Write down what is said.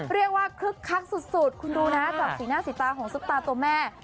เรียกว่าคึกคักสุดคุณดูนะกับสีหน้าสีตาของสุปตาตัวแม่